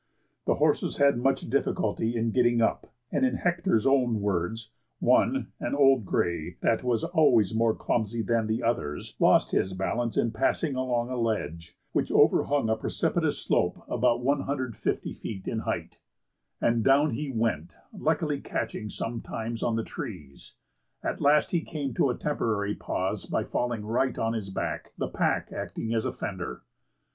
The horses had much difficulty in getting up, and in Hector's own words, "One, an old gray, that was always more clumsy than the others, lost his balance in passing along a ledge, which overhung a precipitous slope about 150 feet in height, and down he went, luckily catching sometimes on the trees; at last he came to a temporary pause by falling right on his back, the pack acting as a fender.